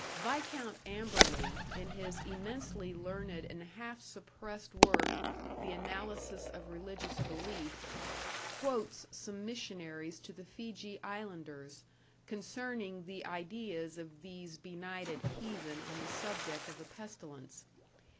Viscount Amberley, in his immensely learned and half suppressed work, "The Analysis of Religious Belief", quotes some missionaries to the Fiji islanders, concerning the ideas of these benighted heathen on the subject of a pestilence.